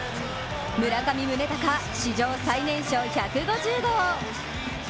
村上宗隆、史上最年少１５０号！